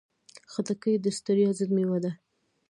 خټکی د ستړیا ضد مېوه ده.